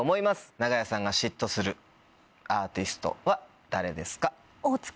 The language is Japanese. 長屋さんが嫉妬するアーティストは誰ですか？